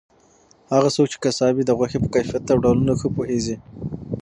هغه څوک چې قصاب وي د غوښې په کیفیت او ډولونو ښه پوهیږي.